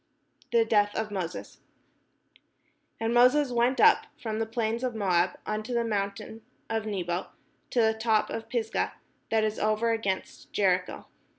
THE DEATH OF MOSES And Moses went up from the plains of Moab unto the mountain of Nebo, to the top of Pisgah, that is over against Jericho.